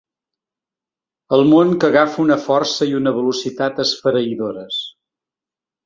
El món que agafa una força i una velocitat esfereïdores.